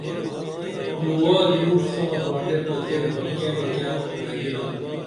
لُوالی مُٹ ساں باٹے پرتیب بہ کیہ نی کیہ نگینہ